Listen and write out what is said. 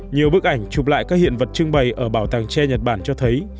nhiều bức ảnh chụp lại các hiện vật trưng bày ở bảo tàng tre nhật bản cho thấy